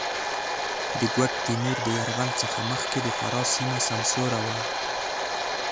د ګوډ تېمور د یرغل څخه مخکې د فراه سېمه سمسوره وه.